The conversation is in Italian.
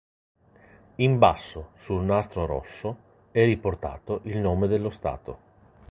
In basso, sul nastro rosso, è riportato il nome dello Stato.